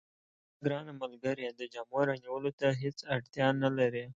زما ګرانه ملګرې، د جامو رانیولو ته هیڅ اړتیا نه لرې.